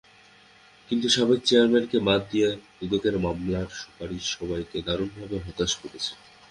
কিন্তু সাবেক চেয়ারম্যানকে বাদ দিয়ে দুদকের মামলার সুপারিশ সবাইকে দারুণভাবে হতাশ করেছে।